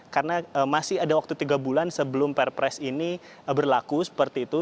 karena masih ada waktu tiga bulan sebelum perpres ini berlaku seperti itu